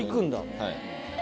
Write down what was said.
はい。